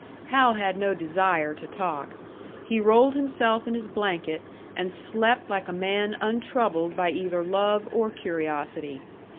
Hal had no desire to talk. He rolled himself in his blanket and slept like a man untroubled by either love or curiosity.